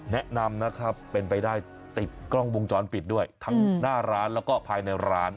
แนะนำนะครับเป็นไปได้ติดกล้องวงจรปิดด้วยทั้งหน้าร้านแล้วก็ภายในร้าน